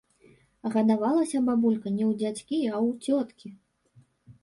Гадавалася бабулька не ў дзядзькі, а ў цёткі.